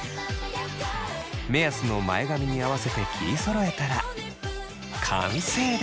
目安の前髪に合わせて切りそろえたら完成です。